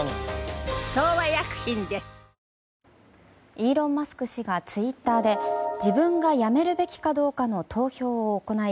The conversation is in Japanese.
イーロン・マスク氏がツイッターで自分が辞めるべきかどうかの投票を行い